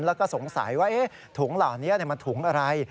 แล้วก็สงสัยว่าถุงเหล่านี้มันถุงอะไร